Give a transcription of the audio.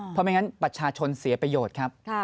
เพราะไม่งั้นประชาชนเสียประโยชน์ครับ